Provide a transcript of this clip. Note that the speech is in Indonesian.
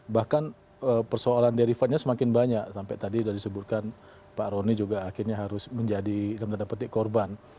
bahkan persoalan derifannya semakin banyak sampai tadi sudah disebutkan pak rony juga akhirnya harus menjadi dalam tanda petik korban